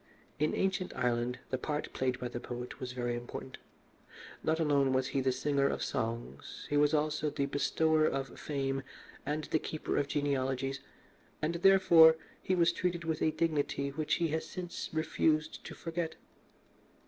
In ancient Ireland the part played by the poet was very important. Not alone was he the singer of songs, he was also the bestower of fame and the keeper of genealogies, and, therefore, he was treated with a dignity which he has since refused to forget.